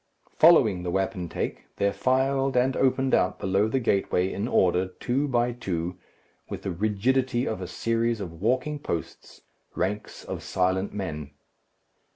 Following the wapentake, there filed and opened out below the gateway in order, two by two, with the rigidity of a series of walking posts, ranks of silent men.